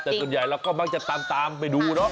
แต่ส่วนใหญ่เราก็มักจะตามไปดูเนาะ